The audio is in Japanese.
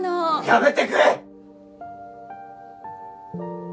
やめてくれ！